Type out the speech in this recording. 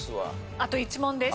あと１問です。